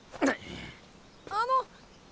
あの。